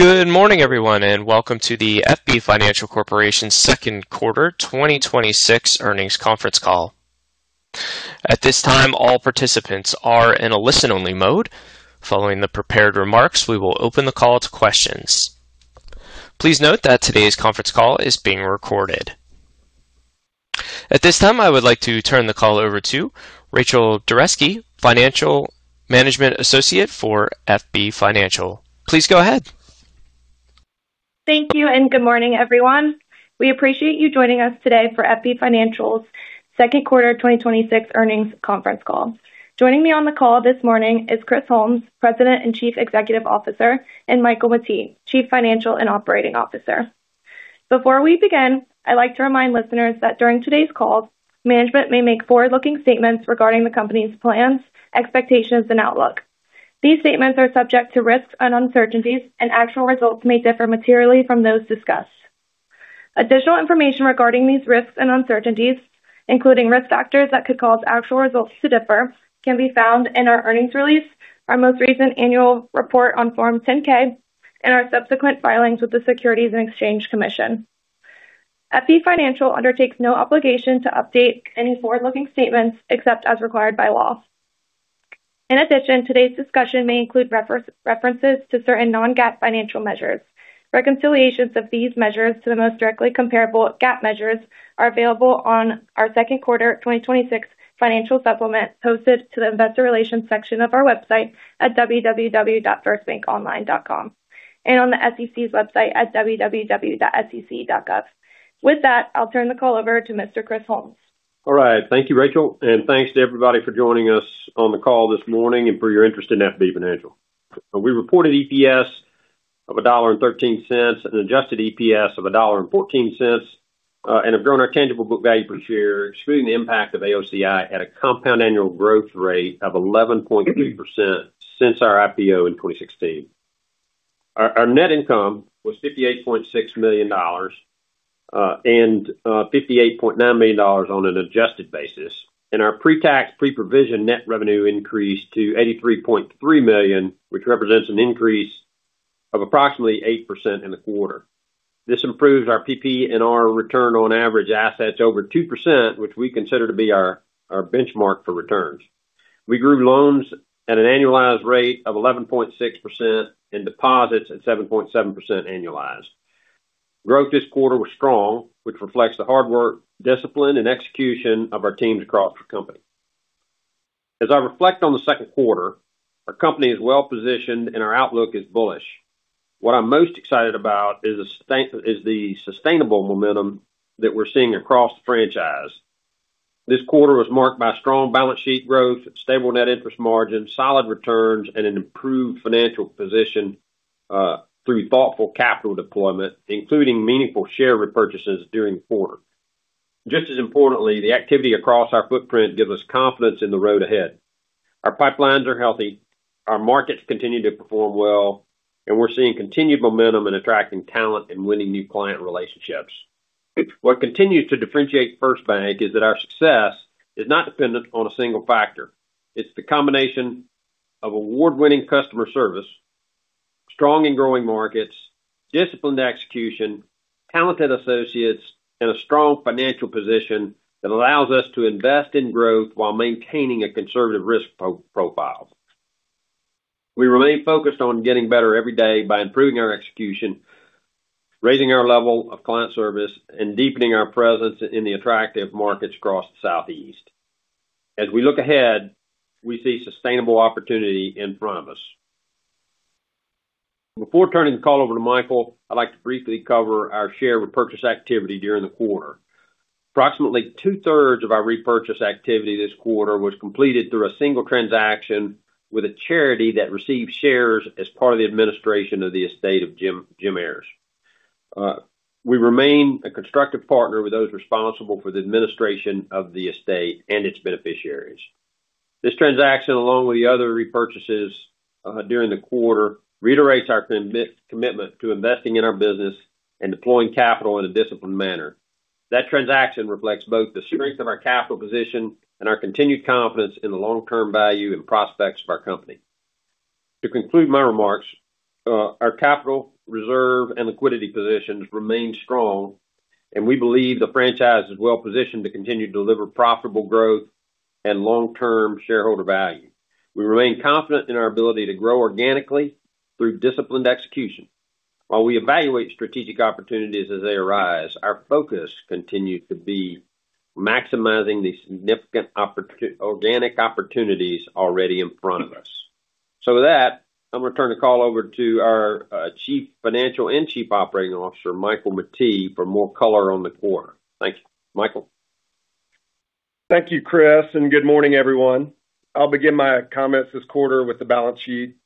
Good morning, everyone, and welcome to the FB Financial Corporation second quarter 2026 earnings conference call. At this time, all participants are in a listen-only mode. Following the prepared remarks, we will open the call to questions. Please note that today's conference call is being recorded. At this time, I would like to turn the call over to Rachel Doreski, Financial Management Associate for FB Financial. Please go ahead. Thank you, and good morning, everyone. We appreciate you joining us today for FB Financial's second quarter 2026 earnings conference call. Joining me on the call this morning is Chris Holmes, President and Chief Executive Officer, and Michael Mettee, Chief Financial and Operating Officer. Before we begin, I'd like to remind listeners that during today's call, management may make forward-looking statements regarding the company's plans, expectations, and outlook. These statements are subject to risks and uncertainties, and actual results may differ materially from those discussed. Additional information regarding these risks and uncertainties, including risk factors that could cause actual results to differ, can be found in our earnings release, our most recent annual report on Form 10-K, and our subsequent filings with the Securities and Exchange Commission. FB Financial undertakes no obligation to update any forward-looking statements except as required by law. In addition, today's discussion may include references to certain non-GAAP financial measures. Reconciliations of these measures to the most directly comparable GAAP measures are available on our second quarter 2026 financial supplement, posted to the investor relations section of our website at www.firstbankonline.com and on the SEC's website at www.sec.gov. With that, I'll turn the call over to Mr. Chris Holmes. All right. Thank you, Rachel. Thanks to everybody for joining us on the call this morning and for your interest in FB Financial. We reported EPS of $1.13 and adjusted EPS of $1.14, and have grown our tangible book value per share, excluding the impact of AOCI, at a compound annual growth rate of 11.3% since our IPO in 2016. Our net income was $58.6 million, and $58.9 million on an adjusted basis. Our pre-tax, pre-provision net revenue increased to $83.3 million, which represents an increase of approximately 8% in the quarter. This improves our PPR return on average assets over 2%, which we consider to be our benchmark for returns. We grew loans at an annualized rate of 11.6% and deposits at 7.7% annualized. Growth this quarter was strong, which reflects the hard work, discipline, and execution of our teams across the company. As I reflect on the second quarter, our company is well-positioned and our outlook is bullish. What I'm most excited about is the sustainable momentum that we're seeing across the franchise. This quarter was marked by strong balance sheet growth, stable net interest margin, solid returns, and an improved financial position, through thoughtful capital deployment, including meaningful share repurchases during the quarter. Just as importantly, the activity across our footprint give us confidence in the road ahead. Our pipelines are healthy, our markets continue to perform well, and we're seeing continued momentum in attracting talent and winning new client relationships. What continues to differentiate FirstBank is that our success is not dependent on a single factor. It's the combination of award-winning customer service, strong and growing markets, disciplined execution, talented associates, and a strong financial position that allows us to invest in growth while maintaining a conservative risk profile. We remain focused on getting better every day by improving our execution, raising our level of client service, and deepening our presence in the attractive markets across the Southeast. As we look ahead, we see sustainable opportunity in front of us. Before turning the call over to Michael, I'd like to briefly cover our share repurchase activity during the quarter. Approximately two-thirds of our repurchase activity this quarter was completed through a single transaction with a charity that received shares as part of the administration of the estate of Jim Ayers. We remain a constructive partner with those responsible for the administration of the estate and its beneficiaries. This transaction, along with the other repurchases during the quarter, reiterates our commitment to investing in our business and deploying capital in a disciplined manner. That transaction reflects both the strength of our capital position and our continued confidence in the long-term value and prospects of our company. To conclude my remarks, our capital reserve and liquidity positions remain strong, and we believe the franchise is well positioned to continue to deliver profitable growth and long-term shareholder value. We remain confident in our ability to grow organically through disciplined execution. While we evaluate strategic opportunities as they arise, our focus continues to be maximizing the significant organic opportunities already in front of us. With that, I'm going to turn the call over to our Chief Financial and Chief Operating Officer, Michael Mettee, for more color on the quarter. Thank you. Michael? Thank you, Chris, and good morning, everyone. I'll begin my comments this quarter with the balance sheet.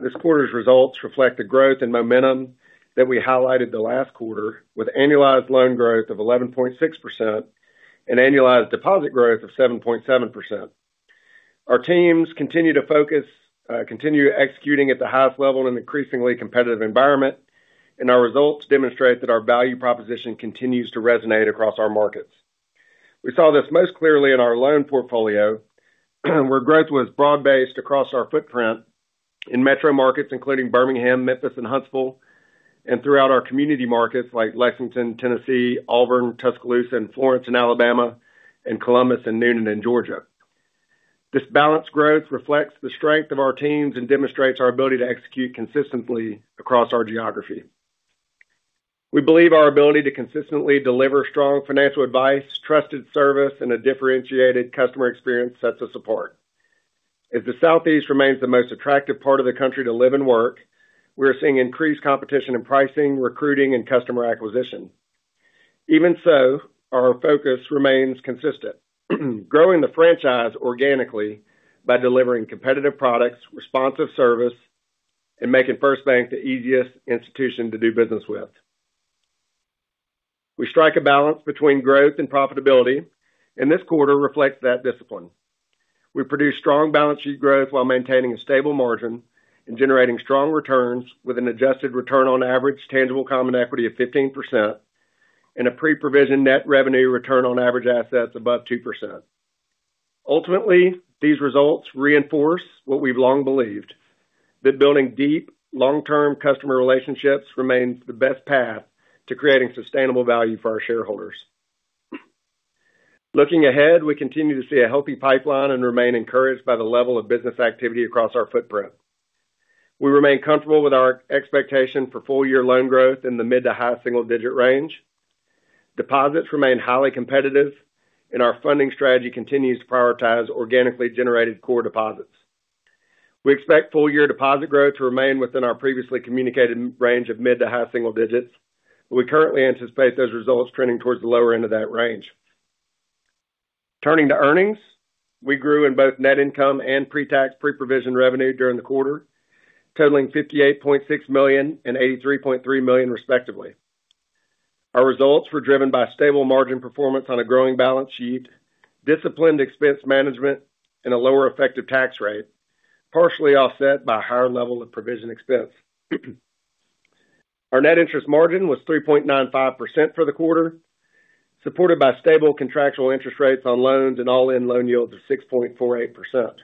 This quarter's results reflect the growth and momentum that we highlighted the last quarter with annualized loan growth of 11.6% and annualized deposit growth of 7.7%. Our teams continue executing at the highest level in an increasingly competitive environment, and our results demonstrate that our value proposition continues to resonate across our markets. We saw this most clearly in our loan portfolio, where growth was broad-based across our footprint in metro markets including Birmingham, Memphis, and Huntsville, and throughout our community markets like Lexington, Tennessee, Auburn, Tuscaloosa, and Florence in Alabama, and Columbus and Newnan in Georgia. This balanced growth reflects the strength of our teams and demonstrates our ability to execute consistently across our geography. We believe our ability to consistently deliver strong financial advice, trusted service, and a differentiated customer experience sets us apart. As the Southeast remains the most attractive part of the country to live and work, we are seeing increased competition in pricing, recruiting, and customer acquisition. Even so, our focus remains consistent, growing the franchise organically by delivering competitive products, responsive service, and making FirstBank the easiest institution to do business with. We strike a balance between growth and profitability, and this quarter reflects that discipline. We produce strong balance sheet growth while maintaining a stable margin and generating strong returns with an adjusted return on average tangible common equity of 15% and a pre-provision net revenue return on average assets above 2%. Ultimately, these results reinforce what we've long believed, that building deep, long-term customer relationships remains the best path to creating sustainable value for our shareholders. Looking ahead, we continue to see a healthy pipeline and remain encouraged by the level of business activity across our footprint. We remain comfortable with our expectation for full-year loan growth in the mid to high single-digit range. Deposits remain highly competitive, and our funding strategy continues to prioritize organically generated core deposits. We expect full-year deposit growth to remain within our previously communicated range of mid to high single digits, but we currently anticipate those results trending towards the lower end of that range. Turning to earnings, we grew in both net income and pre-tax, pre-provision revenue during the quarter, totaling $58.6 million and $83.3 million, respectively. Our results were driven by stable margin performance on a growing balance sheet, disciplined expense management, and a lower effective tax rate, partially offset by higher level of provision expense. Our net interest margin was 3.95% for the quarter, supported by stable contractual interest rates on loans and all-in loan yields of 6.48%.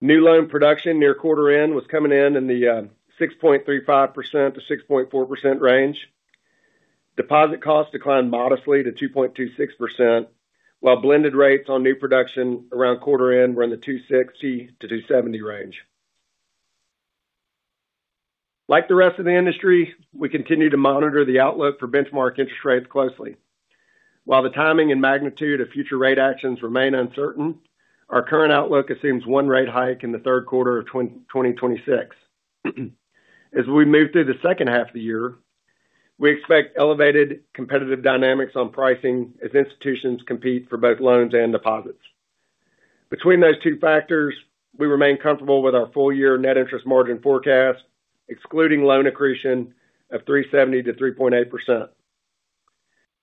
New loan production near quarter end was coming in in the 6.35%-6.4% range. Deposit costs declined modestly to 2.26%, while blended rates on new production around quarter end were in the 2.60%-2.70% range. Like the rest of the industry, we continue to monitor the outlook for benchmark interest rates closely. While the timing and magnitude of future rate actions remain uncertain, our current outlook assumes one rate hike in the third quarter of 2026. As we move through the second half of the year, we expect elevated competitive dynamics on pricing as institutions compete for both loans and deposits. Between those two factors, we remain comfortable with our full-year net interest margin forecast, excluding loan accretion of 3.70%-3.8%.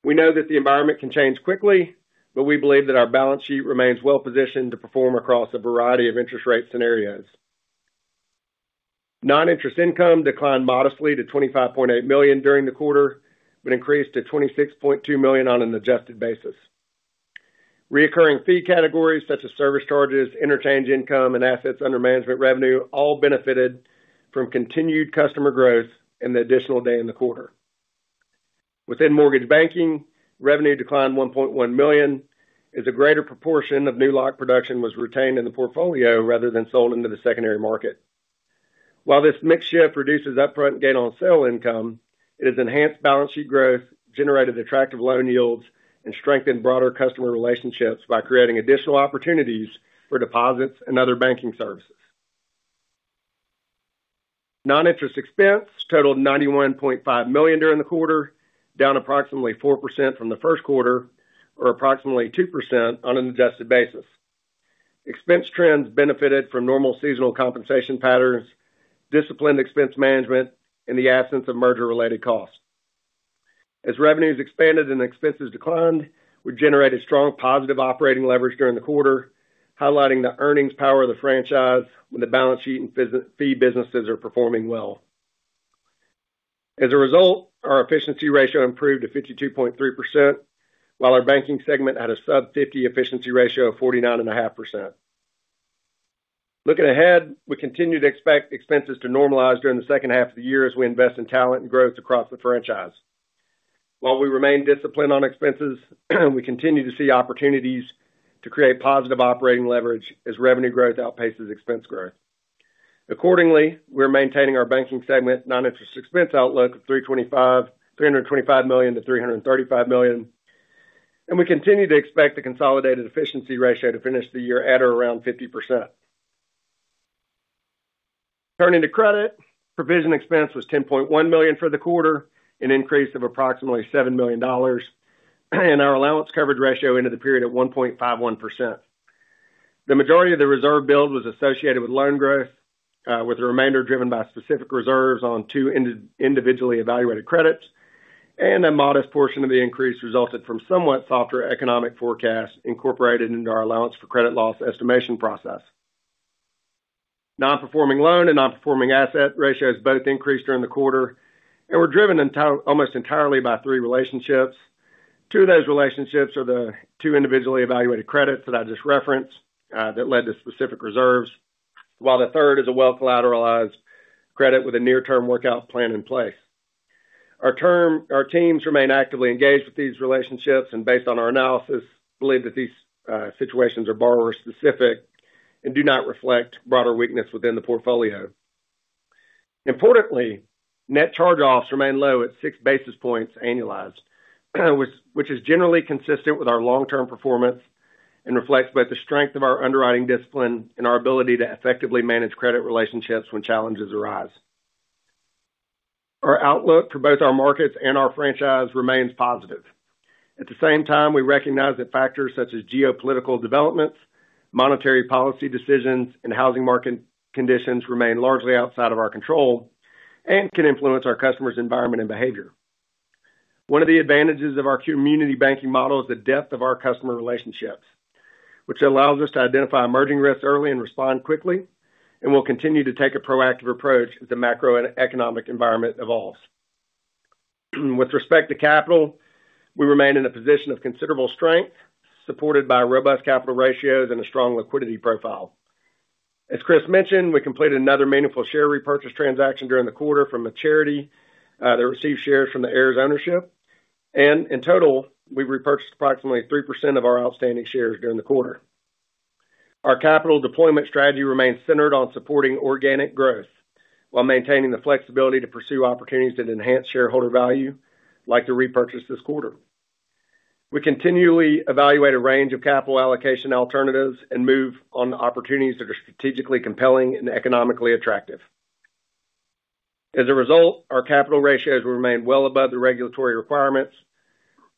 We know that the environment can change quickly, but we believe that our balance sheet remains well-positioned to perform across a variety of interest rate scenarios. Non-interest income declined modestly to $25.8 million during the quarter, but increased to $26.2 million on an adjusted basis. Recurring fee categories such as service charges, interchange income, and assets under management revenue all benefited from continued customer growth and the additional day in the quarter. Within mortgage banking, revenue declined $1.1 million as a greater proportion of new lock production was retained in the portfolio rather than sold into the secondary market. While this mix shift reduces upfront gain on sale income, it has enhanced balance sheet growth, generated attractive loan yields, and strengthened broader customer relationships by creating additional opportunities for deposits and other banking services. Non-interest expense totaled $91.5 million during the quarter, down approximately 4% from the first quarter, or approximately 2% on an adjusted basis. Expense trends benefited from normal seasonal compensation patterns, disciplined expense management, and the absence of merger-related costs. As revenues expanded and expenses declined, we generated strong positive operating leverage during the quarter, highlighting the earnings power of the franchise when the balance sheet and fee businesses are performing well. As a result, our efficiency ratio improved to 52.3%, while our banking segment had a sub 50 efficiency ratio of 49.5%. Looking ahead, we continue to expect expenses to normalize during the second half of the year as we invest in talent and growth across the franchise. While we remain disciplined on expenses, we continue to see opportunities to create positive operating leverage as revenue growth outpaces expense growth. Accordingly, we're maintaining our banking segment non-interest expense outlook of $325 million-$335 million, and we continue to expect the consolidated efficiency ratio to finish the year at or around 50%. Turning to credit, provision expense was $10.1 million for the quarter, an increase of approximately $7 million, and our allowance coverage ratio ended the period at 1.51%. The majority of the reserve build was associated with loan growth, with the remainder driven by specific reserves on two individually evaluated credits, and a modest portion of the increase resulted from somewhat softer economic forecasts incorporated into our allowance for credit loss estimation process. Non-performing loan and non-performing asset ratios both increased during the quarter and were driven almost entirely by three relationships. Two of those relationships are the two individually evaluated credits that I just referenced that led to specific reserves, while the third is a well-collateralized credit with a near-term workout plan in place. Our teams remain actively engaged with these relationships and based on our analysis, believe that these situations are borrower-specific and do not reflect broader weakness within the portfolio. Importantly, net charge-offs remain low at six basis points annualized, which is generally consistent with our long-term performance and reflects both the strength of our underwriting discipline and our ability to effectively manage credit relationships when challenges arise. Our outlook for both our markets and our franchise remains positive. At the same time, we recognize that factors such as geopolitical developments, monetary policy decisions, and housing market conditions remain largely outside of our control and can influence our customers' environment and behavior. One of the advantages of our community banking model is the depth of our customer relationships, which allows us to identify emerging risks early and respond quickly, and we'll continue to take a proactive approach as the macroeconomic environment evolves. With respect to capital, we remain in a position of considerable strength, supported by robust capital ratios and a strong liquidity profile. As Chris mentioned, we completed another meaningful share repurchase transaction during the quarter from a charity that received shares from the heirs' ownership. In total, we repurchased approximately 3% of our outstanding shares during the quarter. Our capital deployment strategy remains centered on supporting organic growth while maintaining the flexibility to pursue opportunities that enhance shareholder value, like the repurchase this quarter. We continually evaluate a range of capital allocation alternatives and move on the opportunities that are strategically compelling and economically attractive. As a result, our capital ratios remain well above the regulatory requirements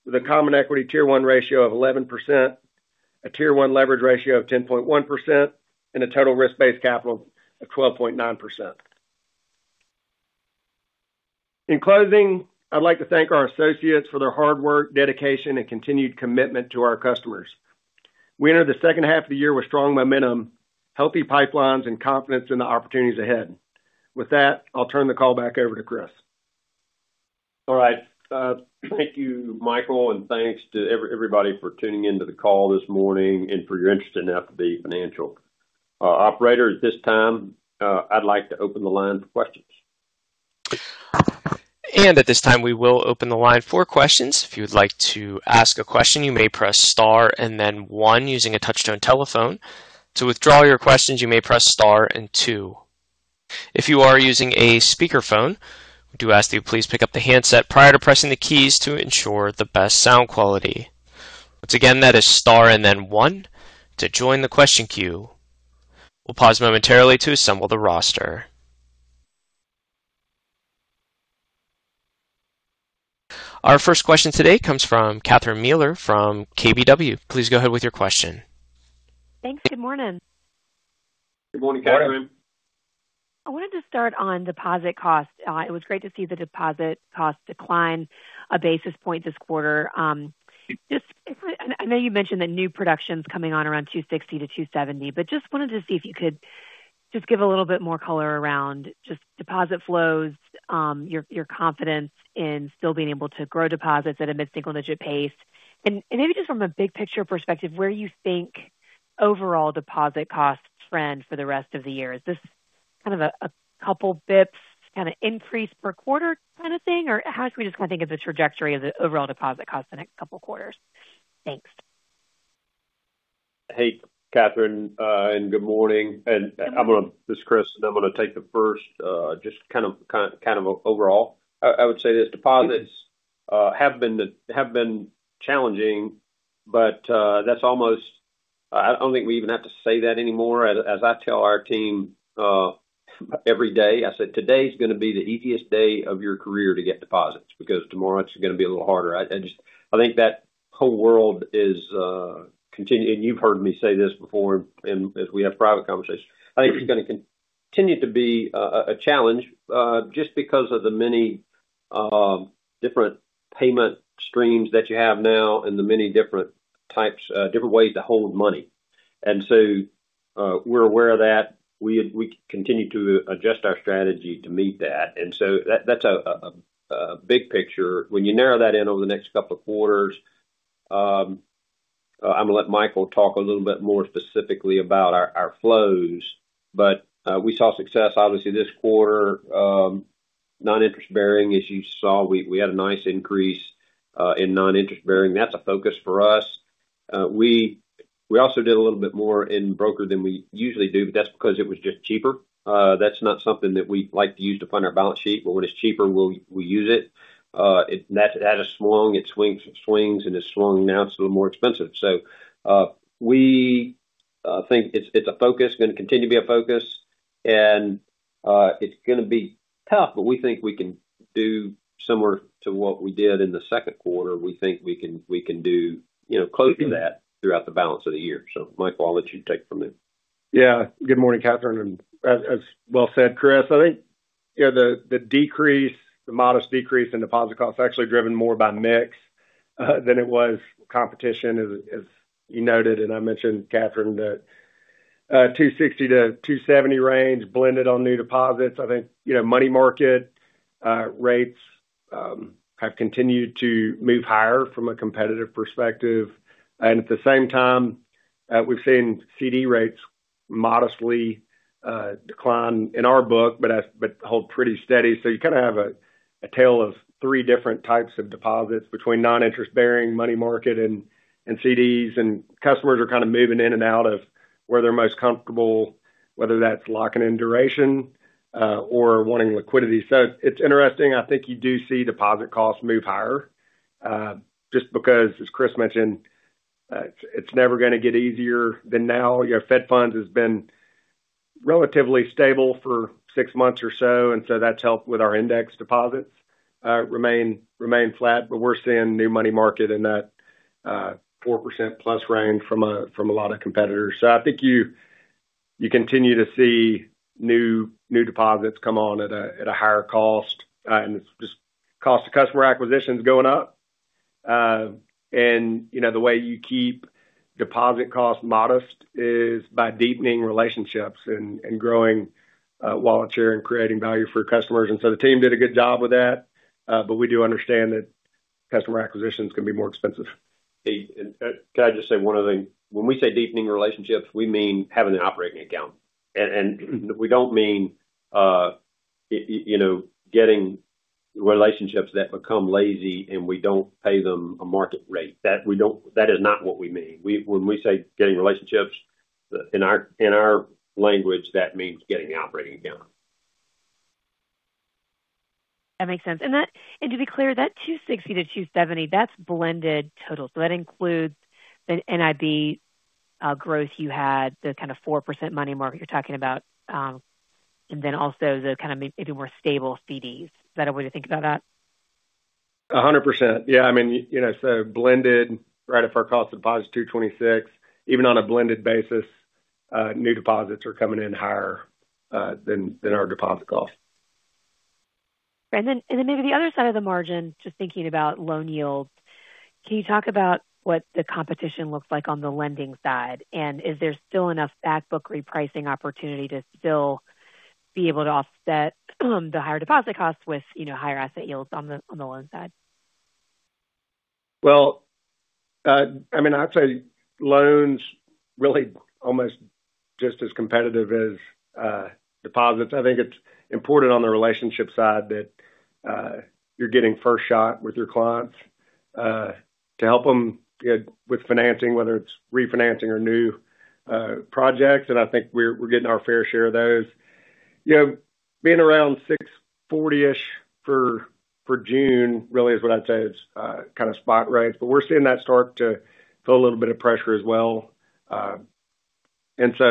with a common equity Tier 1 ratio of 11%, a Tier 1 leverage ratio of 10.1%, and a total risk-based capital of 12.9%. In closing, I'd like to thank our associates for their hard work, dedication, and continued commitment to our customers. We enter the second half of the year with strong momentum, healthy pipelines, and confidence in the opportunities ahead. With that, I'll turn the call back over to Chris. All right. Thank you, Michael, and thanks to everybody for tuning in to the call this morning and for your interest in FB Financial. Operator, at this time, I'd like to open the line for questions. At this time, we will open the line for questions. If you would like to ask a question, you may press star and then one using a touch-tone telephone. To withdraw your questions, you may press star and two. If you are using a speakerphone, we do ask that you please pick up the handset prior to pressing the keys to ensure the best sound quality. Once again, that is star and then one to join the question queue. We'll pause momentarily to assemble the roster. Our first question today comes from Catherine Mealor from KBW. Please go ahead with your question. Thanks. Good morning. Good morning, Catherine. Morning. I wanted to start on deposit cost. It was great to see the deposit cost decline a basis point this quarter. I know you mentioned that new production's coming on around 260 to 270, but just wanted to see if you could just give a little bit more color around just deposit flows, your confidence in still being able to grow deposits at a mid-single-digit pace, and maybe just from a big picture perspective, where you think overall deposit costs trend for the rest of the year. Is this kind of a couple basis points kind of increase per quarter kind of thing, or how should we just kind of think of the trajectory of the overall deposit cost the next couple quarters? Thanks. Hey, Catherine, and good morning. This is Chris, and I'm going to take the first just kind of overall. I would say this: deposits have been challenging, but I don't think we even have to say that anymore. As I tell our team every day, I said, "Today's going to be the easiest day of your career to get deposits because tomorrow it's going to be a little harder." I think that whole world is continuing. You've heard me say this before, and as we have private conversations, I think it's going to continue to be a challenge, just because of the many different payment streams that you have now and the many different ways to hold money. We're aware of that. We continue to adjust our strategy to meet that. That's a big picture. When you narrow that in over the next couple of quarters, I'm going to let Michael talk a little bit more specifically about our flows. We saw success, obviously, this quarter. Non-interest bearing, as you saw, we had a nice increase in non-interest bearing. That's a focus for us. We also did a little bit more in broker than we usually do, but that's because it was just cheaper. That's not something that we like to use to fund our balance sheet, but when it's cheaper, we'll use it. It had a swung. It swings and it swung. Now it's a little more expensive. We think it's a focus, going to continue to be a focus and it's going to be tough, but we think we can do similar to what we did in the second quarter. We think we can do close to that throughout the balance of the year. Michael, I'll let you take from there. Good morning, Catherine, and as well said, Chris, I think the decrease, the modest decrease in deposit cost is actually driven more by mix than it was competition, as you noted, and I mentioned, Catherine, that 260-270 range blended on new deposits. I think money market rates have continued to move higher from a competitive perspective. At the same time, we've seen CD rates modestly decline in our book, but hold pretty steady. You kind of have a tale of three different types of deposits between non-interest bearing money market and CDs, and customers are kind of moving in and out of where they're most comfortable, whether that's locking in duration or wanting liquidity. It's interesting. I think you do see deposit costs move higher, just because as Chris mentioned, it's never going to get easier than now. Fed Funds has been relatively stable for six months or so, that's helped with our index deposits remain flat. We're seeing new money market in that 4% plus range from a lot of competitors. I think you continue to see new deposits come on at a higher cost, and it's just cost of customer acquisition is going up. The way you keep deposit costs modest is by deepening relationships and growing wallet share and creating value for customers. The team did a good job with that. We do understand that customer acquisition is going to be more expensive. Can I just say one other thing? When we say deepening relationships, we mean having an operating account. We don't mean getting relationships that become lazy, and we don't pay them a market rate. That is not what we mean. When we say getting relationships, in our language, that means getting the operating account. That makes sense. To be clear, that 260-270, that's blended total. That includes the NIB growth you had, the kind of 4% money market you're talking about, and then also the kind of maybe more stable CDs. Is that a way to think about that? 100%. Yeah. Blended rate of our cost deposit is 226. Even on a blended basis, new deposits are coming in higher than our deposit cost. Maybe the other side of the margin, just thinking about loan yields, can you talk about what the competition looks like on the lending side? Is there still enough back book repricing opportunity to still be able to offset the higher deposit costs with higher asset yields on the loan side? Well, I'd say loans really almost just as competitive as deposits. I think it's important on the relationship side that you're getting first shot with your clients to help them with financing, whether it's refinancing or new projects, and I think we're getting our fair share of those. Being around 640-ish for June really is what I'd say is kind of spot rates. We're seeing that start to feel a little bit of pressure as well. It's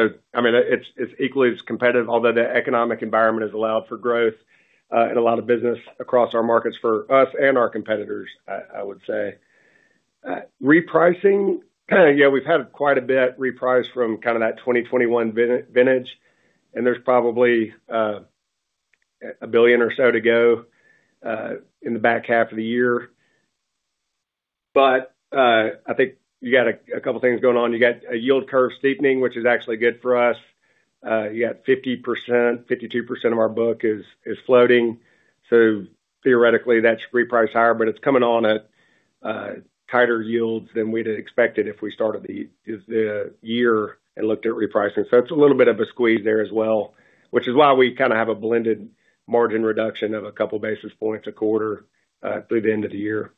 equally as competitive, although the economic environment has allowed for growth and a lot of business across our markets for us and our competitors, I would say. Repricing, yeah, we've had quite a bit repriced from kind of that 2021 vintage, and there's probably $1 billion or so to go in the back half of the year. I think you got a couple of things going on. You got a yield curve steepening, which is actually good for us. You got 50%, 52% of our book is floating. Theoretically, that should reprice higher, it's coming on at tighter yields than we'd have expected if we started the year and looked at repricing. It's a little bit of a squeeze there as well, which is why we kind of have a blended margin reduction of a couple basis points a quarter through the end of the year.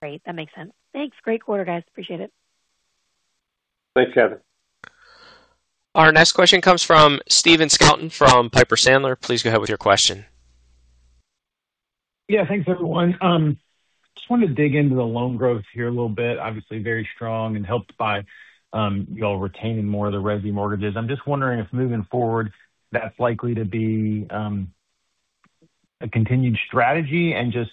Great. That makes sense. Thanks. Great quarter, guys. Appreciate it. Thanks, Catherine. Our next question comes from Stephen Scouten from Piper Sandler. Please go ahead with your question. Yeah, thanks, everyone. Just wanted to dig into the loan growth here a little bit. Obviously very strong and helped by y'all retaining more of the resi mortgages. I'm just wondering if moving forward, that's likely to be a continued strategy and just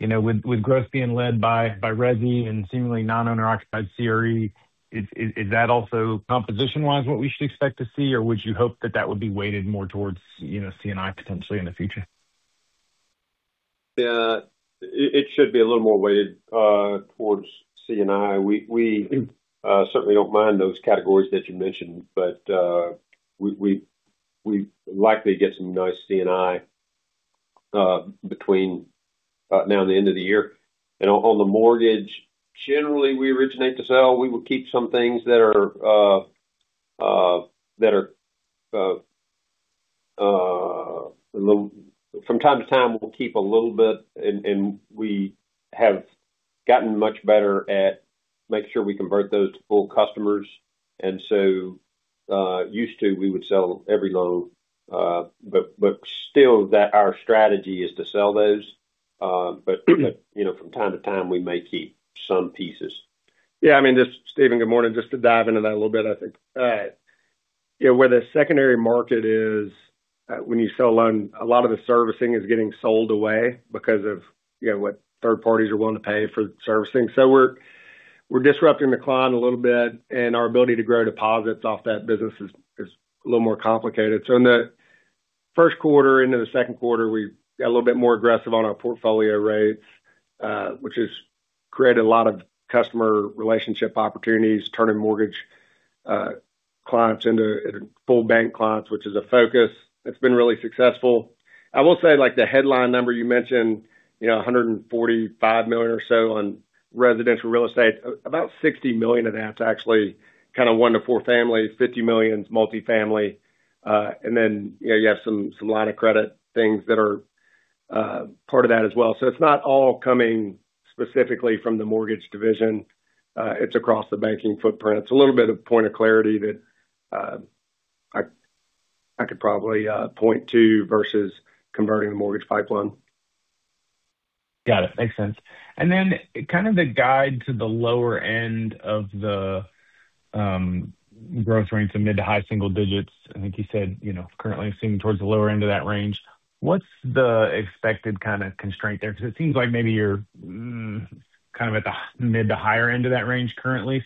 with growth being led by resi and seemingly non-owner-occupied CRE, is that also composition-wise what we should expect to see? Would you hope that that would be weighted more towards C&I potentially in the future? Yeah. It should be a little more weighted towards C&I. We certainly don't mind those categories that you mentioned, but we'd likely get some nice C&I between now and the end of the year. On the mortgage, generally, we originate to sell. We will keep some things. From time to time, we'll keep a little bit, and we have gotten much better at making sure we convert those to full customers. Used to, we would sell every loan. Still, our strategy is to sell those. From time to time, we may keep some pieces. Yeah. Stephen, good morning. Just to dive into that a little bit. Where the secondary market is when you sell a loan, a lot of the servicing is getting sold away because of what third parties are willing to pay for servicing. We're disrupting the decline a little bit, and our ability to grow deposits off that business is a little more complicated. In the first quarter into the second quarter, we got a little bit more aggressive on our portfolio rates, which has created a lot of customer relationship opportunities, turning mortgage clients into full bank clients, which is a focus that's been really successful. I will say, the headline number you mentioned, $145 million or so on residential real estate, about $60 million of that's actually kind of one to four families, $50 million's multifamily. You have some line of credit things that are part of that as well. It's not all coming specifically from the mortgage division. It's across the banking footprint. It's a little bit of point of clarity that I could probably point to versus converting the mortgage pipeline. Got it. Makes sense. Kind of the guide to the lower end of the growth range of mid to high single digits. I think you said currently leaning towards the lower end of that range. What's the expected kind of constraint there? Because it seems like maybe you're kind of at the mid to higher end of that range currently.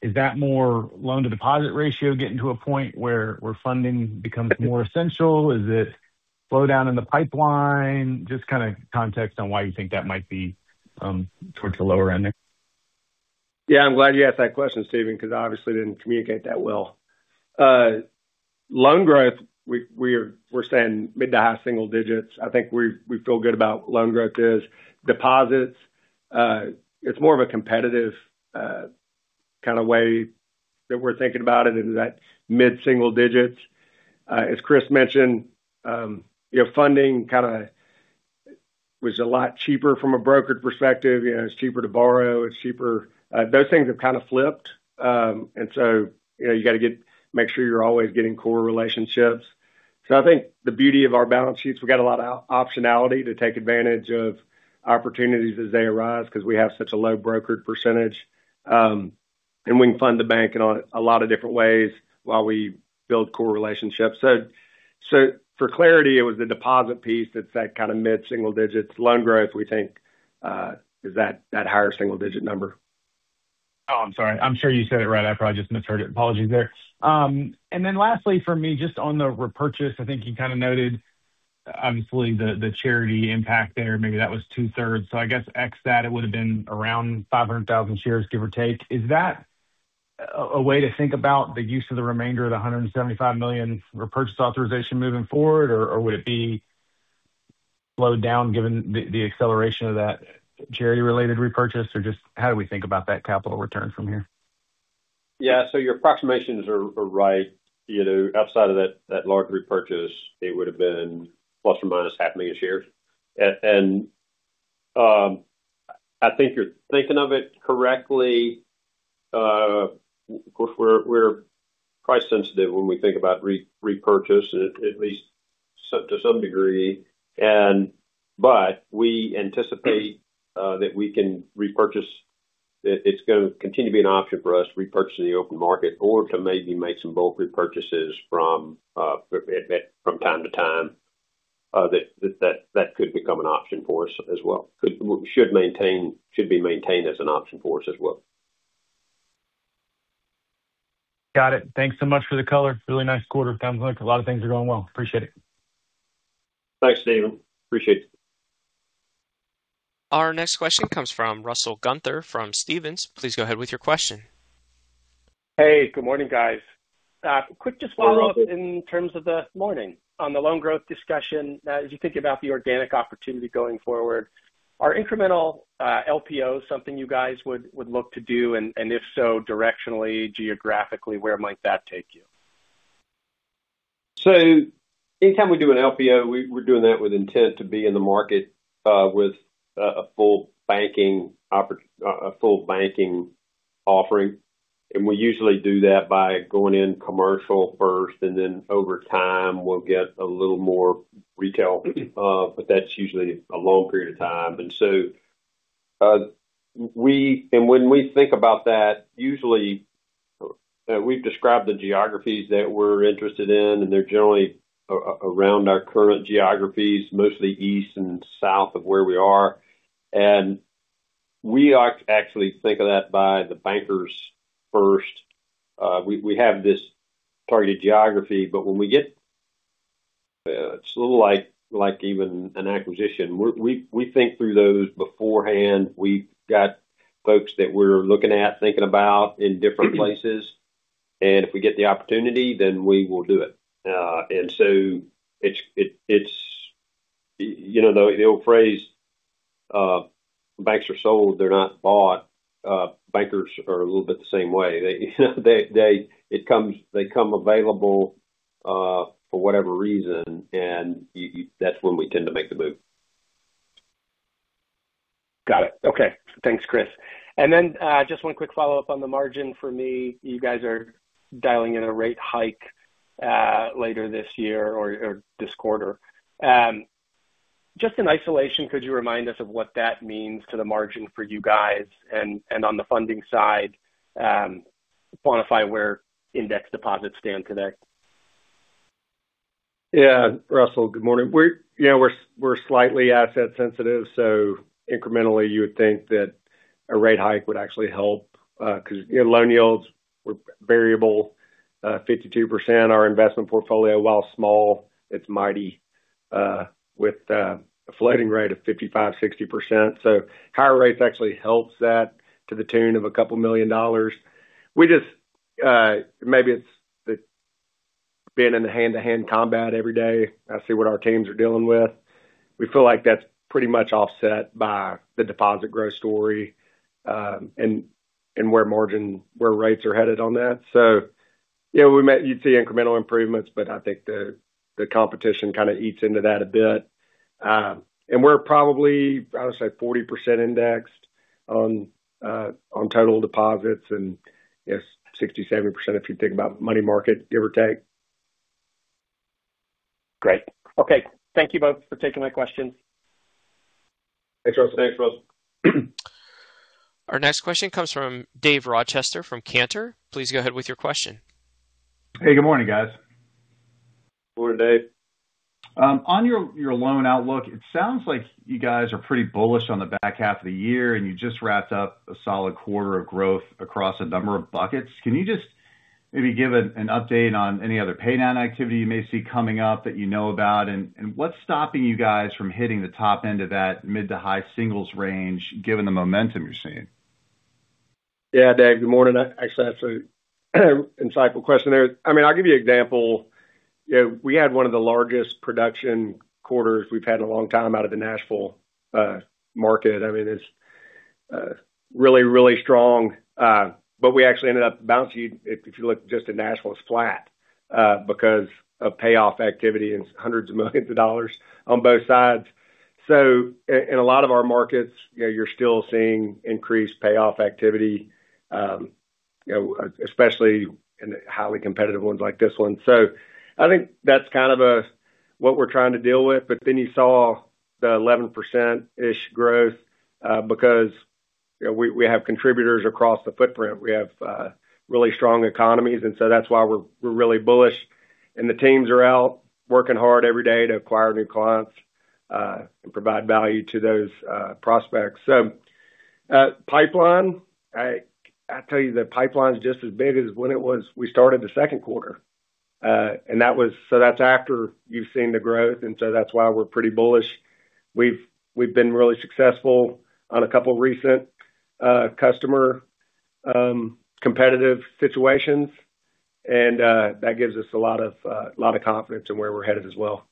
Is that more loan-to-deposit ratio getting to a point where funding becomes more essential? Is it slowdown in the pipeline? Just kind of context on why you think that might be towards the lower end there. Yeah. I'm glad you asked that question, Stephen, because I obviously didn't communicate that well. Loan growth, we're saying mid to high single digits. I think we feel good about what loan growth is. Deposits, it's more of a competitive kind of way that we're thinking about it into that mid-single digits. As Chris mentioned, funding kind of was a lot cheaper from a brokered perspective. It's cheaper to borrow. Those things have kind of flipped. You got to make sure you're always getting core relationships. I think the beauty of our balance sheets, we've got a lot of optionality to take advantage of opportunities as they arise because we have such a low brokered percentage. We can fund the bank in a lot of different ways while we build core relationships. For clarity, it was the deposit piece that's that kind of mid-single digits. Loan growth, we think, is that higher single-digit number. I'm sorry. I'm sure you said it right. I probably just misheard it. Apologies there. Lastly from me, just on the repurchase, I think you kind of noted, obviously, the charity impact there. Maybe that was two-thirds. I guess ex that, it would've been around 500,000 shares, give or take. Is that a way to think about the use of the remainder of the $175 million repurchase authorization moving forward? Or would it be slowed down given the acceleration of that charity-related repurchase? Or just how do we think about that capital return from here? Yeah. Your approximations are right. Outside of that large repurchase, it would've been plus or minus half million shares. I think you're thinking of it correctly. Of course, we're price sensitive when we think about repurchase, at least to some degree. We anticipate that it's going to continue being an option for us, repurchasing the open market or to maybe make some bulk repurchases from time to time. That could become an option for us as well. Should be maintained as an option for us as well. Got it. Thanks so much for the color. Really nice quarter. Sounds like a lot of things are going well. Appreciate it. Thanks, Stephen. Appreciate it. Our next question comes from Russell Gunther from Stephens. Please go ahead with your question. Hey, good morning, guys. Good morning. Morning. On the loan growth discussion, as you think about the organic opportunity going forward, are incremental LPOs something you guys would look to do? If so, directionally, geographically, where might that take you? Anytime we do an LPO, we're doing that with intent to be in the market, with a full banking offering. We usually do that by going in commercial first, and then over time, we'll get a little more retail. That's usually a long period of time. When we think about that, usually, we've described the geographies that we're interested in, and they're generally around our current geographies, mostly east and south of where we are. We actually think of that by the bankers first. We have this targeted geography, but it's a little like even an acquisition. We think through those beforehand. We've got folks that we're looking at, thinking about in different places, and if we get the opportunity, then we will do it. It's the old phrase, banks are sold, they're not bought. Bankers are a little bit the same way. They come available, for whatever reason, and that's when we tend to make the move. Got it. Okay. Thanks, Chris. Just one quick follow-up on the margin for me. You guys are dialing in a rate hike later this year or this quarter. Just in isolation, could you remind us of what that means to the margin for you guys? On the funding side, quantify where index deposits stand today? Yeah. Russell, good morning. We're slightly asset sensitive, incrementally, you would think that a rate hike would actually help, because loan yields were variable, 52%. Our investment portfolio, while small, it's mighty, with a floating rate of 55%-60%. Higher rates actually helps that to the tune of a couple million dollars. Maybe it's the being in the hand-to-hand combat every day, I see what our teams are dealing with. We feel like that's pretty much offset by the deposit growth story, and where margin, where rates are headed on that. You'd see incremental improvements, but I think the competition kind of eats into that a bit. We're probably, I would say, 40% indexed on total deposits and 67%, if you think about money market, give or take. Great. Okay. Thank you both for taking my questions. Thanks, Russell. Thanks, Russell. Our next question comes from Dave Rochester from Cantor. Please go ahead with your question. Hey, good morning, guys. Good morning, Dave. On your loan outlook, it sounds like you guys are pretty bullish on the back half of the year, and you just wrapped up a solid quarter of growth across a number of buckets. Can you just maybe give an update on any other pay-down activity you may see coming up that you know about? What's stopping you guys from hitting the top end of that mid to high singles range given the momentum you're seeing? Yeah, Dave, good morning. Actually, that's an insightful question there. I'll give you an example. We had one of the largest production quarters we've had in a long time out of the Nashville market. It's really, really strong. We actually ended up bouncing. If you look just at Nashville, it's flat because of payoff activity and hundreds of millions of dollars on both sides. In a lot of our markets, you're still seeing increased payoff activity, especially in the highly competitive ones like this one. I think that's kind of what we're trying to deal with. You saw the 11%-ish growth, because we have contributors across the footprint. We have really strong economies, and so that's why we're really bullish. The teams are out working hard every day to acquire new clients, and provide value to those prospects. Pipeline, I tell you, the pipeline's just as big as when it was we started the second quarter. That's after you've seen the growth, and that's why we're pretty bullish. We've been really successful on a couple recent customer competitive situations, and that gives us a lot of confidence in where we're headed as well.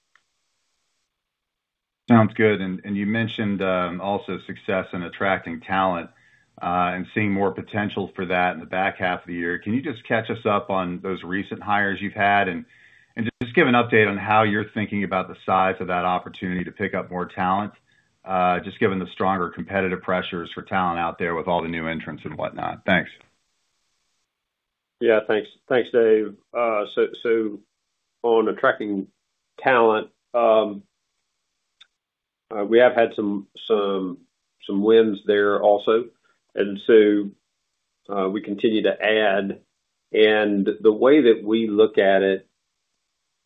Sounds good. You mentioned also success in attracting talent, and seeing more potential for that in the back half of the year. Can you just catch us up on those recent hires you've had and just give an update on how you're thinking about the size of that opportunity to pick up more talent, just given the stronger competitive pressures for talent out there with all the new entrants and whatnot? Thanks. Yeah. Thanks, Dave. On attracting talent, we have had some wins there also, and we continue to add. The way that we look at it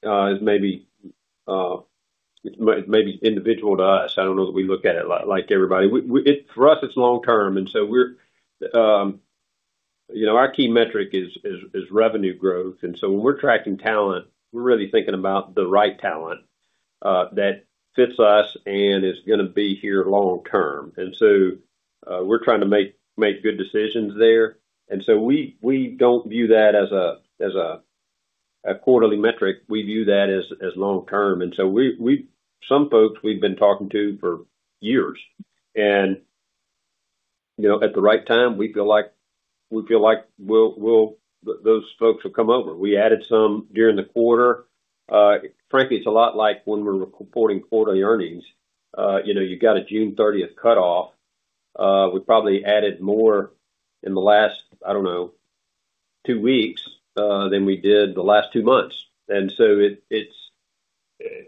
is maybe individual to us. I don't know that we look at it like everybody. For us, it's long term, and our key metric is revenue growth. When we're tracking talent, we're really thinking about the right talent that fits us and is going to be here long term. We're trying to make good decisions there. We don't view that as a quarterly metric. We view that as long term. Some folks we've been talking to for years. At the right time, we feel like those folks will come over. We added some during the quarter. Frankly, it's a lot like when we're reporting quarterly earnings. You got a June 30th cutoff. We probably added more in the last, I don't know, two weeks than we did the last two months.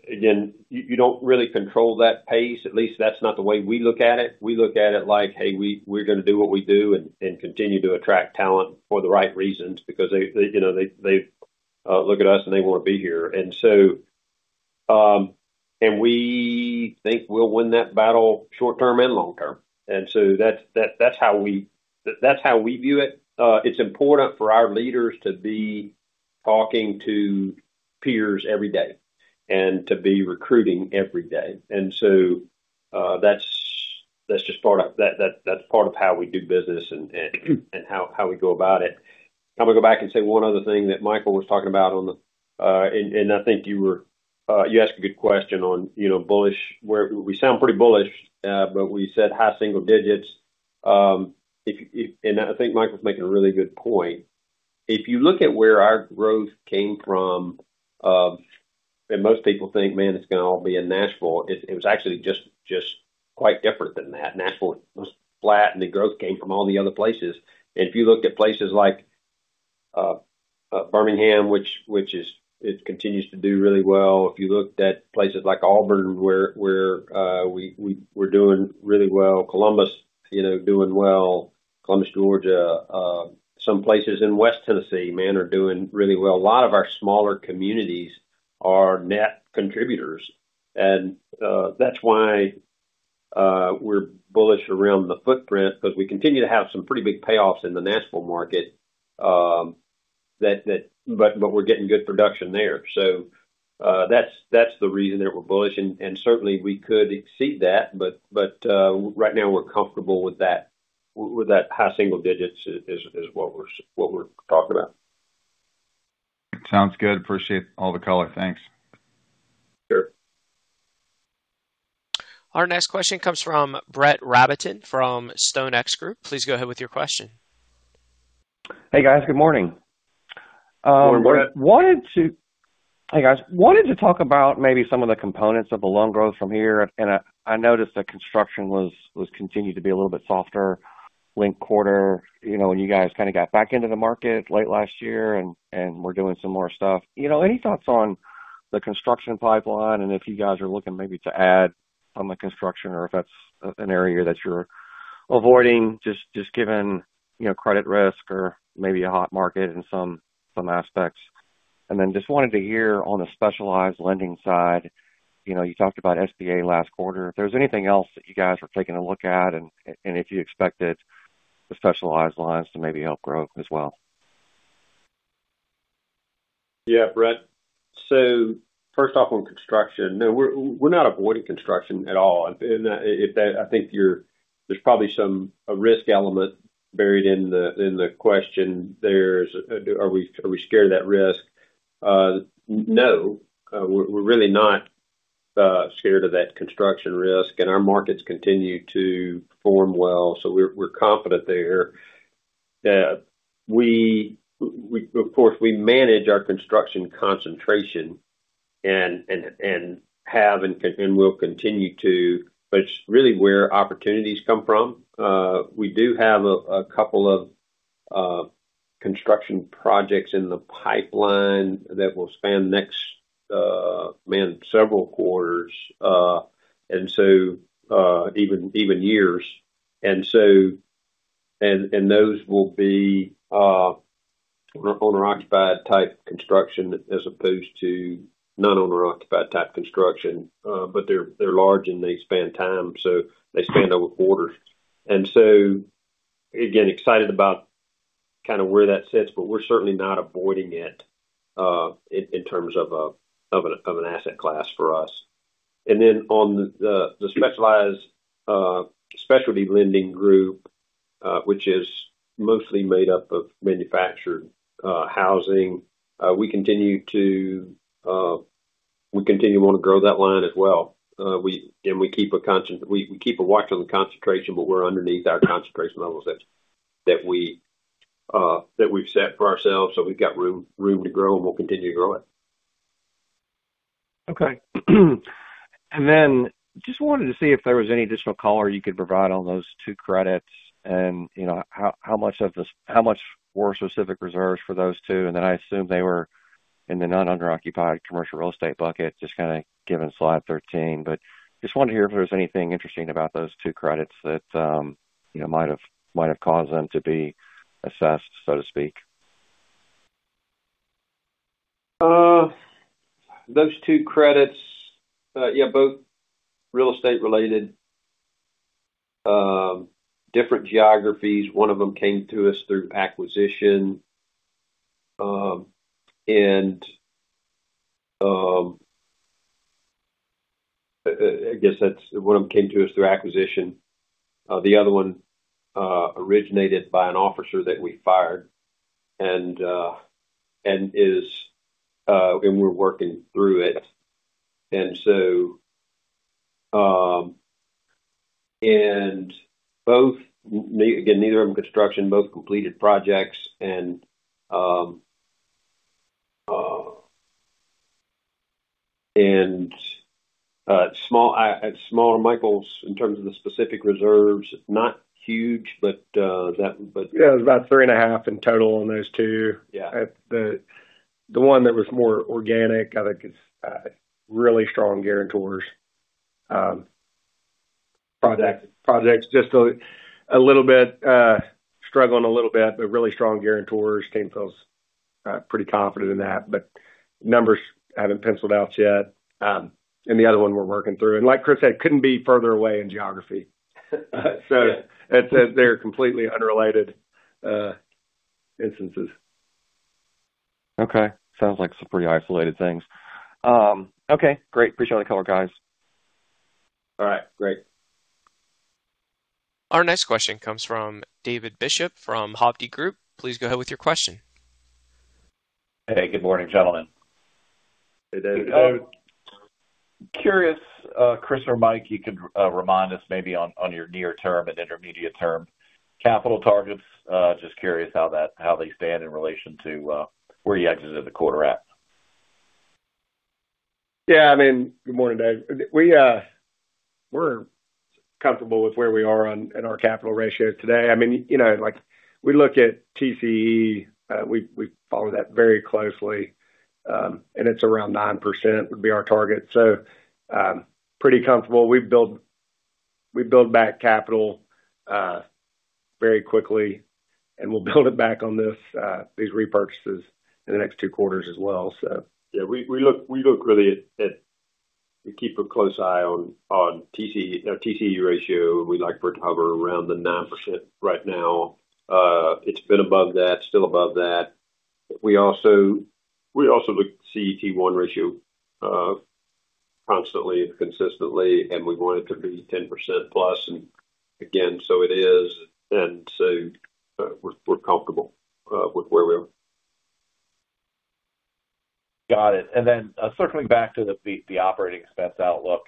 Again, you don't really control that pace. At least that's not the way we look at it. We look at it like, hey, we're going to do what we do and continue to attract talent for the right reasons because they look at us, and they want to be here. We think we'll win that battle short term and long term. That's how we view it. It's important for our leaders to be talking to peers every day and to be recruiting every day. That's part of how we do business and how we go about it. I'm going to go back and say one other thing that Michael was talking about. I think you asked a good question on bullish, where we sound pretty bullish, but we said high single digits. I think Michael's making a really good point. If you look at where our growth came from, and most people think, man, it's going to all be in Nashville. It was actually just quite different than that. Nashville was flat, and the growth came from all the other places. If you looked at places like Birmingham, which it continues to do really well. If you looked at places like Auburn, where we're doing really well. Columbus, doing well. Columbus, Georgia, some places in West Tennessee, man, are doing really well. A lot of our smaller communities are net contributors. That's why we're bullish around the footprint, because we continue to have some pretty big payoffs in the Nashville market, but we're getting good production there. That's the reason that we're bullish, and certainly we could exceed that. Right now, we're comfortable with that high single digits as what we're talking about. Sounds good. Appreciate all the color. Thanks. Sure. Our next question comes from Brett Rabatin from StoneX Group. Please go ahead with your question. Hey, guys. Good morning. Good morning, Brett. Hey, guys. Wanted to talk about maybe some of the components of the loan growth from here. I noticed that construction was continued to be a little bit softer linked quarter, when you guys kind of got back into the market late last year and were doing some more stuff. Any thoughts on the construction pipeline and if you guys are looking maybe to add on the construction, or if that's an area that you're avoiding, just given credit risk or maybe a hot market in some aspects. Then just wanted to hear on the specialized lending side, you talked about SBA last quarter. If there's anything else that you guys are taking a look at and if you expected the specialized lines to maybe help growth as well. Yeah, Brett. First off, on construction, no, we're not avoiding construction at all. I think there's probably some risk element buried in the question there. Are we scared of that risk? No. We're really not scared of that construction risk, and our markets continue to perform well, so we're confident there. Of course, we manage our construction concentration, and have, and will continue to, but it's really where opportunities come from. We do have a couple of construction projects in the pipeline that will span next, man, several quarters, even years. Those will be owner-occupied type construction as opposed to non-owner-occupied type construction. They're large, and they span time, so they span over quarters. Again, excited about kind of where that sits, but we're certainly not avoiding it in terms of an asset class for us. On the specialty lending group which is mostly made up of manufactured housing, we continue to want to grow that line as well. We keep a watch on the concentration, but we're underneath our concentration levels that we've set for ourselves, so we've got room to grow, and we'll continue to grow it. Okay. Just wanted to see if there was any additional color you could provide on those two credits, and how much more specific reserves for those two, and then I assume they were in the non-owner-occupied commercial real estate bucket, just kind of given slide 13. Just wanted to hear if there was anything interesting about those two credits that might have caused them to be assessed, so to speak. Those two credits, yeah, both real estate related. Different geographies. One of them came to us through acquisition. I guess that one of them came to us through acquisition. The other one originated by an officer that we fired, and we're working through it. Again, neither of them construction, both completed projects. Smaller, Michael, in terms of the specific reserves, not huge. Yeah, it was about three and a half in total on those two. The one that was more organic, I think it's really strong guarantors projects, just struggling a little bit, but really strong guarantors. Team feels pretty confident in that. Numbers haven't penciled out yet. The other one we're working through. Like Chris said, couldn't be further away in geography. They're completely unrelated instances. Okay. Sounds like some pretty isolated things. Okay, great. Appreciate the color, guys. All right, great. Our next question comes from David Bishop from Hovde Group. Please go ahead with your question. Hey, good morning, gentlemen. Hey, Dave. Good morning. Curious, Chris or Mike, you could remind us maybe on your near term and intermediate term capital targets. Just curious how they stand in relation to where you exited the quarter at. Good morning, Dave. We're comfortable with where we are in our capital ratios today. Like I said, we look at TCE. We follow that very closely, and it's around 9%, would be our target. Pretty comfortable. We build back capital very quickly, and we'll build it back on these repurchases in the next two quarters as well. We keep a close eye on TCE ratio. We like for it to hover around the 9% right now. It's been above that, still above that. We also look at CET1 ratio constantly and consistently, and we want it to be 10% plus. It is. We're comfortable with where we are. Got it. Circling back to the operating expense outlook.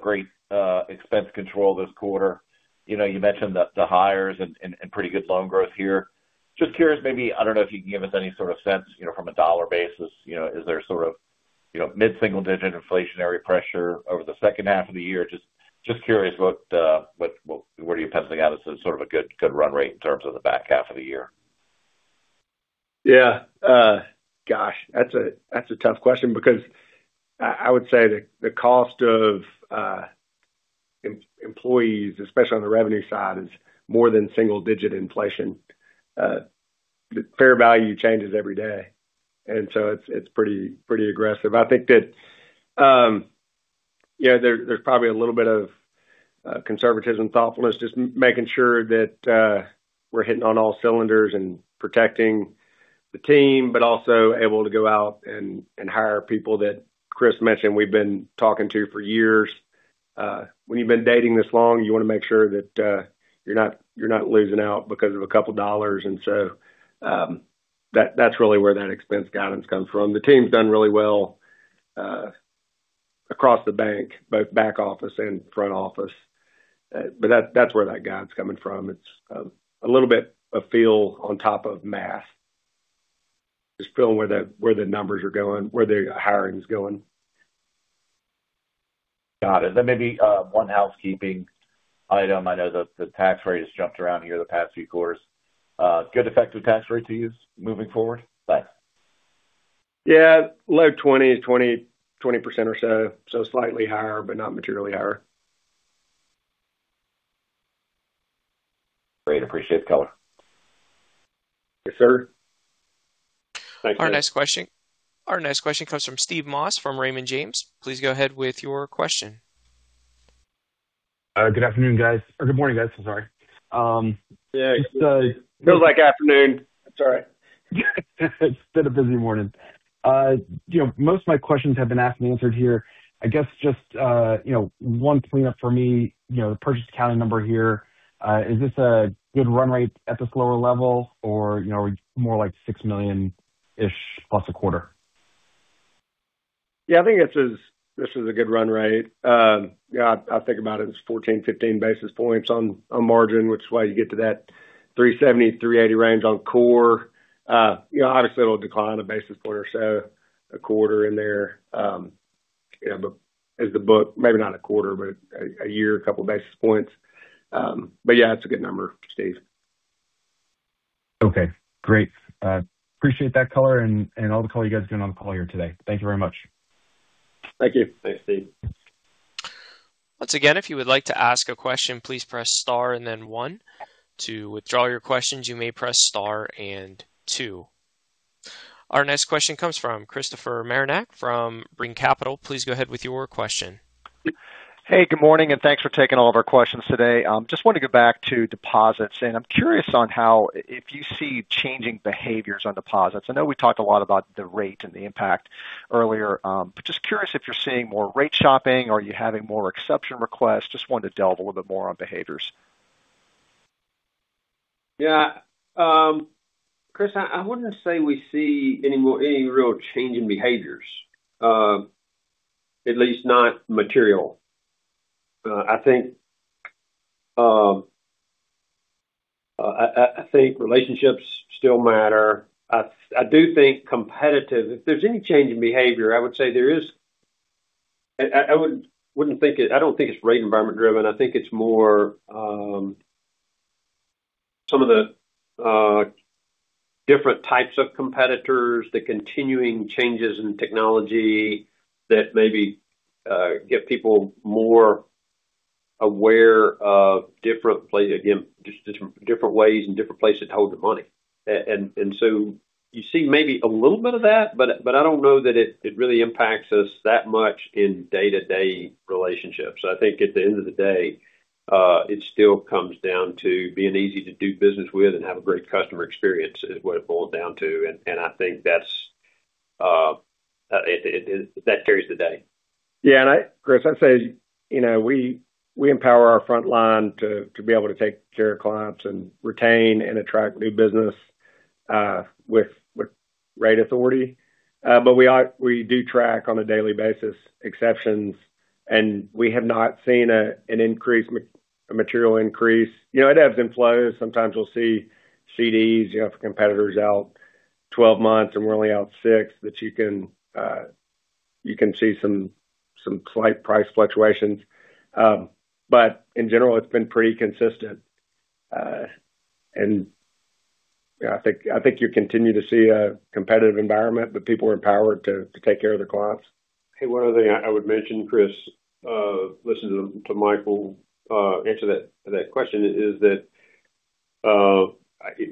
Great expense control this quarter. You mentioned the hires and pretty good loan growth here. Just curious maybe, I don't know if you can give us any sort of sense from a dollar basis. Is there mid-single-digit inflationary pressure over the second half of the year? Just curious what are you penciling out as sort of a good run rate in terms of the back half of the year? Yeah. Gosh, that's a tough question because I would say the cost of employees, especially on the revenue side, is more than single-digit inflation. The fair value changes every day. It's pretty aggressive. I think that there's probably a little bit of conservatism, thoughtfulness. Just making sure that we're hitting on all cylinders and protecting the team, but also able to go out and hire people that Chris mentioned we've been talking to for years. When you've been dating this long, you want to make sure that you're not losing out because of a couple of dollars. That's really where that expense guidance comes from. The team's done really well across the bank, both back office and front office. That's where that guidance is coming from. It's a little bit of feel on top of math. Just feeling where the numbers are going, where the hiring is going. Got it. Maybe one housekeeping item. I know that the tax rate has jumped around here the past few quarters. Good effective tax rate to use moving forward? Yeah. Low 20% or so. Slightly higher, not materially higher. Great. Appreciate the color. Yes, sir. Thank you. Our next question comes from Steve Moss from Raymond James. Please go ahead with your question. Good afternoon, guys. Good morning, guys. I'm sorry. Yeah. Feels like afternoon. It's all right. It's been a busy morning. Most of my questions have been asked and answered here. I guess just one cleanup for me, the purchase accounting number here. Is this a good run rate at this lower level or more like $6 million-ish plus a quarter? Yeah, I think this is a good run rate. I think about it as 14, 15 basis points on margin, which is why you get to that 370, 380 range on core. Obviously, it'll decline a basis point or so a quarter in there. As the book, maybe not a quarter, but a year, a couple of basis points. Yeah, it's a good number, Steve. Okay, great. Appreciate that color and all the color you guys are giving on the call here today. Thank you very much. Thank you. Thanks, Steve. Once again, if you would like to ask a question, please press star and then one. To withdraw your questions, you may press star and two. Our next question comes from Christopher Marinac from Brean Capital. Please go ahead with your question. Hey, good morning, and thanks for taking all of our questions today. Just want to go back to deposits, and I'm curious on how if you see changing behaviors on deposits. I know we talked a lot about the rate and the impact earlier. Just curious if you're seeing more rate shopping. Are you having more exception requests? Just wanted to delve a little bit more on behaviors. Yeah. Chris, I wouldn't say we see any real change in behaviors. At least not material. I think relationships still matter. I do think competitive. If there's any change in behavior, I would say I don't think it's rate environment driven. I think it's more some of the different types of competitors, the continuing changes in technology that maybe get people more aware of, again, just different ways and different places to hold their money. You see maybe a little bit of that, but I don't know that it really impacts us that much in day-to-day relationships. I think at the end of the day, it still comes down to being easy to do business with and have a great customer experience, is what it boils down to. I think that carries the day. Yeah. Chris, I'd say, we empower our front line to be able to take care of clients and retain and attract new business with rate authority. We do track on a daily basis exceptions, and we have not seen a material increase. It ebbs and flows. Sometimes you'll see CDs, if a competitor's out 12 months and we're only out six. You can see some slight price fluctuations. In general, it's been pretty consistent. I think you continue to see a competitive environment, but people are empowered to take care of their clients. One other thing I would mention, Chris, listening to Michael answer that question, is that,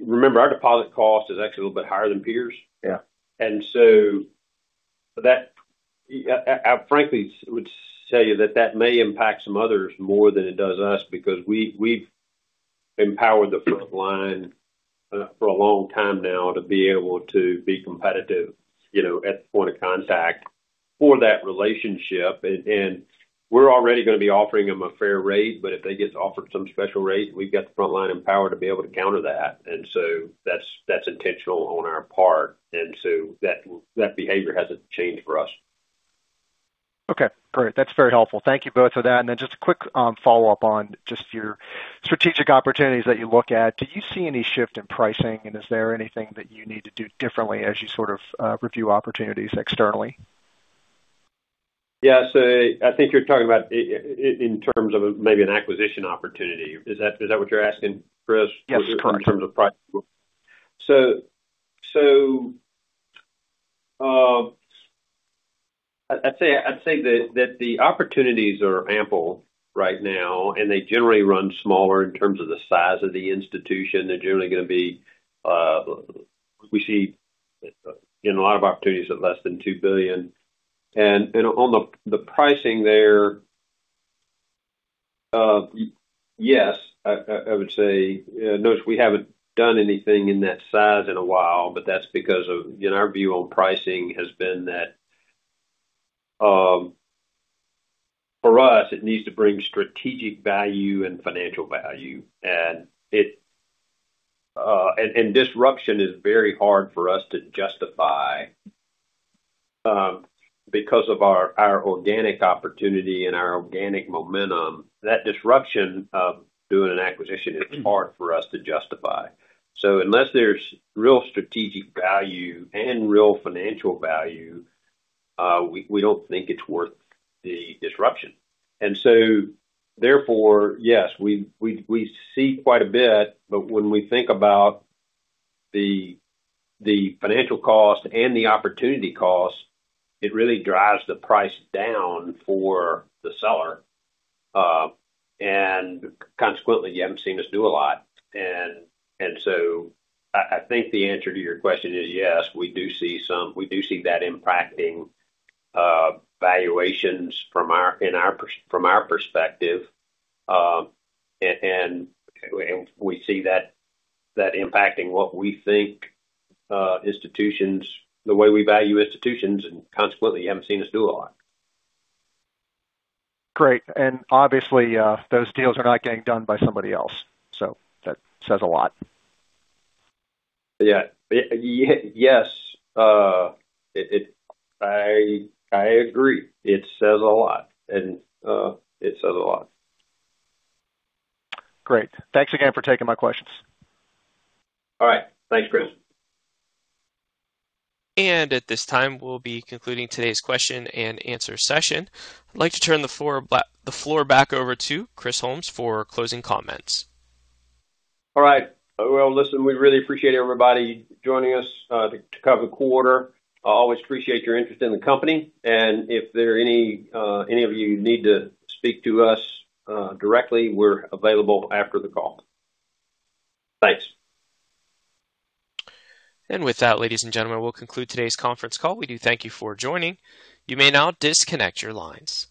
remember, our deposit cost is actually a little bit higher than peers. That, I frankly would say that that may impact some others more than it does us, because we've empowered the frontline for a long time now to be able to be competitive at the point of contact for that relationship. We're already going to be offering them a fair rate, but if they get offered some special rate, we've got the frontline empowered to be able to counter that. That's intentional on our part. That behavior hasn't changed for us. Okay, great. That's very helpful. Thank you both for that. Just a quick follow-up on just your strategic opportunities that you look at. Do you see any shift in pricing? Is there anything that you need to do differently as you sort of review opportunities externally? Yeah. I think you're talking about in terms of maybe an acquisition opportunity. Is that what you're asking, Chris? Yes. In terms of pricing. I'd say that the opportunities are ample right now, and they generally run smaller in terms of the size of the institution. They're generally we see a lot of opportunities of less than $2 billion. On the pricing there, yes, I would say, notice we haven't done anything in that size in a while, but that's because of our view on pricing has been that, for us, it needs to bring strategic value and financial value. Disruption is very hard for us to justify because of our organic opportunity and our organic momentum. That disruption of doing an acquisition is hard for us to justify. Unless there's real strategic value and real financial value, we don't think it's worth the disruption. Therefore, yes, we see quite a bit, but when we think about the financial cost and the opportunity cost, it really drives the price down for the seller. Consequently, you haven't seen us do a lot. I think the answer to your question is yes, we do see that impacting valuations from our perspective. We see that impacting what we think the way we value institutions, and consequently, you haven't seen us do a lot. Great. Obviously, those deals are not getting done by somebody else. That says a lot. Yeah. Yes. I agree. It says a lot. It says a lot. Great. Thanks again for taking my questions. All right. Thanks, Chris. At this time, we'll be concluding today's question and answer session. I'd like to turn the floor back over to Chris Holmes for closing comments. All right. Well, listen, we really appreciate everybody joining us to cover the quarter. I always appreciate your interest in the company. If any of you need to speak to us directly, we're available after the call. Thanks. With that, ladies and gentlemen, we'll conclude today's conference call. We do thank you for joining. You may now disconnect your lines.